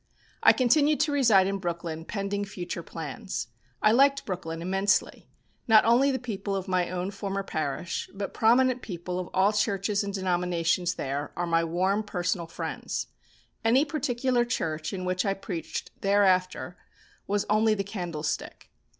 I continued to reside in Brooklyn pending future plans. I liked Brooklyn immensely not only the people of my own former parish, but prominent people of all churches and denominations there are my warm personal friends. Any particular church in which I preached thereafter was only the candlestick.